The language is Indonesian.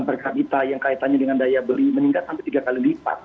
per kapita yang kaitannya dengan daya beli meningkat sampai tiga kali lipat